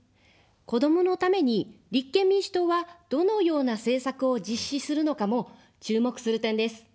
子どものために立憲民主党はどのような政策を実施するのかも注目する点です。